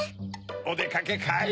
おでかけかい？